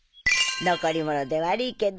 残りもので悪いけど。